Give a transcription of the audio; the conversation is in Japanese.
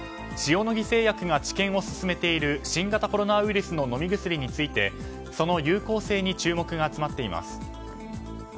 塩野義製薬が治験を進めている新型コロナウイルスの飲み薬についてその有効性に注目が集まっています。